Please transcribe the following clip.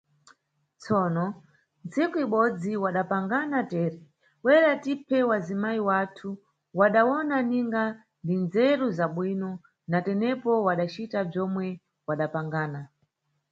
Tsono, tsiku ibodzi wadapangana tere: bwera tiphe wazimayi wathu, wadawona ninga ndindzeru zabwino, natenepo wadacita bzomwe wadapangana.